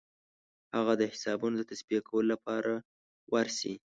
هغه د حسابونو د تصفیه کولو لپاره ورسي.